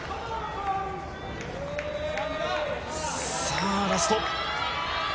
さあ、ラスト。